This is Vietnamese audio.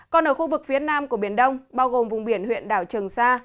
còn ở khu vực phía nam của biển đông bao gồm vùng biển huyện đảo trường sa